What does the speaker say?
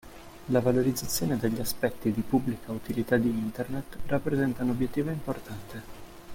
La valorizzazione degli aspetti di pubblica utilità di Internet rappresenta un obiettivo importante.